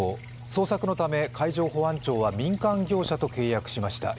捜索のため海上保安庁は民間業者と契約しました。